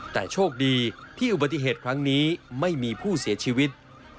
แต่โชคดีที่อุบัติเหตุครั้งนี้ไม่มีผู้เสียชีวิต